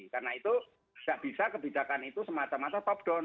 karena itu tidak bisa kebijakan itu semacam macam top down